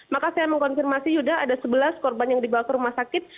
maka saya mengkonfirmasi yuda ada sebelas korban yang dibawa ke rumah sakit